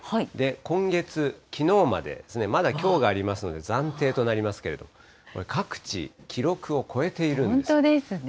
今月、きのうまでですね、まだきょうがありますので、暫定となりますけれども、これ、各地、記録本当ですね。